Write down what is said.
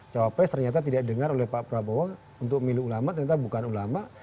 cawapres ternyata tidak dengar oleh pak prabowo untuk milih ulama ternyata bukan ulama